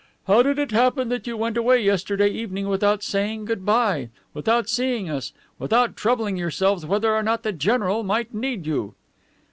"How did it happen that you went away yesterday evening without saying good bye, without seeing us, without troubling yourselves whether or not the general might need you?"